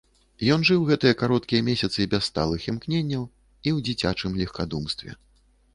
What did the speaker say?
Ён жыў гэтыя кароткія месяцы без сталых імкненняў і ў дзіцячым легкадумстве.